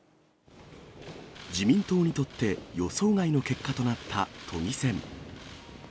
自民党にとって予想外の結果となった都議選。